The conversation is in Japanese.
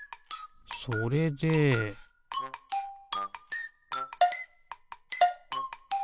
それでピッ！